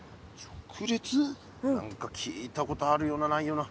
何か聞いたことあるようなないような。